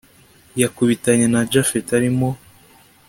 yakubitanye na japhet arimo